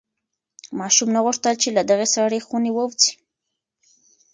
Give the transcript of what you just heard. ماشوم نه غوښتل چې له دغې سړې خونې ووځي.